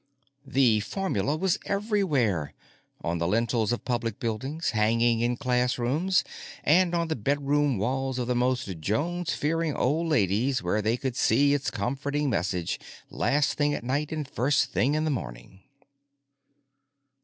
The formula was everywhere: on the lintels of public buildings, hanging in classrooms, and on the bedroom walls of the most Jones fearing old ladies where they could see its comforting message last thing at night and first thing in the morning.